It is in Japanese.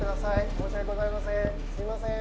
申し訳ございませんすいません